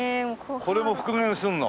これも復元するの？